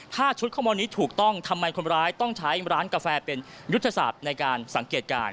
ถ้าชุดข้อมูลนี้ถูกต้องทำไมคนร้ายต้องใช้ร้านกาแฟเป็นยุทธศาสตร์ในการสังเกตการณ์